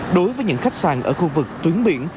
đối với những khách sạn ở khu vực tuyến biển